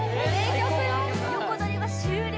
横取りは終了